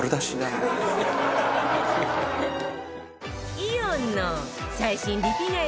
イオンの最新リピ買い